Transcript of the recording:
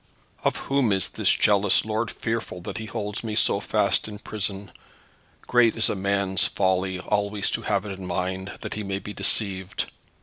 Of whom is this jealous lord fearful that he holds me so fast in prison? Great is a man's folly always to have it in mind that he may be deceived.